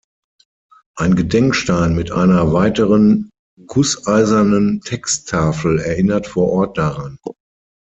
Ein Gedenkstein mit einer weiteren gusseisernen Texttafel erinnert vor Ort daran.